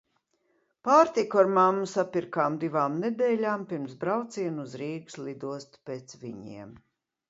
Pārtiku ar mammu sapirkām divām nedēļām pirms brauciena uz Rīgas lidostu pēc viņiem.